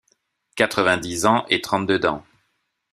Quatrevingt-dix ans et trente-deux dents